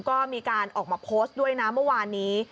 ก็มีการออกมาโพสต์ด้วยนะเมื่อวานนี้